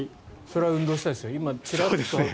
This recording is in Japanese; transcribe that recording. それは運動したいですよね。